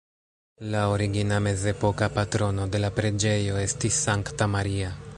La origina mezepoka patrono de la preĝejo estis Sankta Maria.